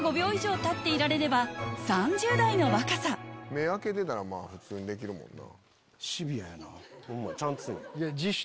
目開けてたら普通にできるもんな。